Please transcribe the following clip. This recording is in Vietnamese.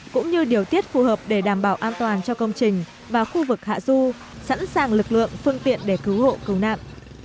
cũng như điều tiết phù hợp để đảm bảo an toàn cho công trình và khu vực hạ du sẵn sàng lực lượng phương tiện để cứu hộ cầu nạn